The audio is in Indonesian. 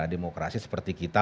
demokrasi seperti kita